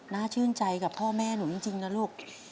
น่าชื่นใจกับพ่อแม่หนูจริงนะลูก